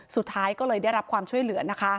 สุดท้ายก็เลยได้รับความช่วยเหลือนะคะ